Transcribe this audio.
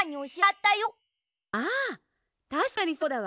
たしかにそうだわ。